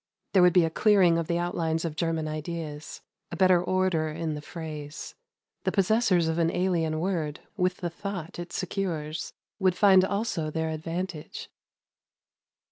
There would be a clearing of the outlines of German ideas, a better order in the phrase; the possessors of an alien word, with the thought it secures, would find also their advantage.